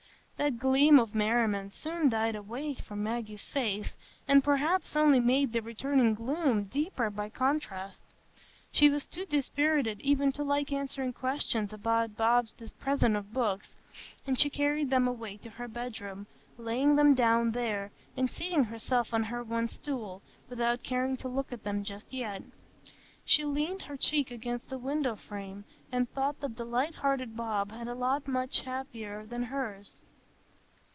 That gleam of merriment soon died away from Maggie's face, and perhaps only made the returning gloom deeper by contrast. She was too dispirited even to like answering questions about Bob's present of books, and she carried them away to her bedroom, laying them down there and seating herself on her one stool, without caring to look at them just yet. She leaned her cheek against the window frame, and thought that the light hearted Bob had a lot much happier than hers.